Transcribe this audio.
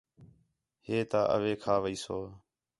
ہے تا اوے کھا ویسوں